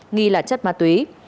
nghi là chất ma túy